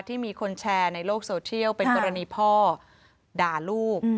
ที่มีคนแชร์ในโลกโซเทียลเป็นกรณีพ่อด่าลูก